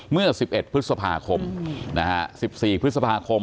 เมื่อสิบเอ็ดพฤษภาคมนะฮะสิบสี่พฤษภาคม